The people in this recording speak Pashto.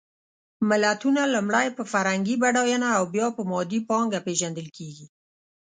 ملتونه لومړی په فرهنګي بډایېنه او بیا په مادي پانګه پېژندل کېږي.